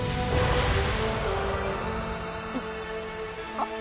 あっ。